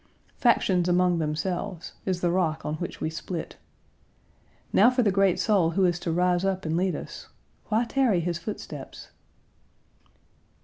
"Factions among themselves" is the rock on which we split. Now for the great soul who is to rise up and lead us. Why tarry his footsteps?